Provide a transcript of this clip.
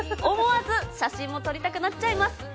思わず写真を撮りたくなっちゃいます。